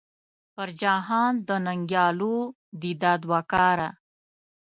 پر جهان د ننګیالو دې دا دوه کاره .